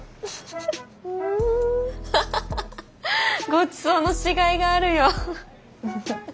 ごちそうのしがいがあるよ。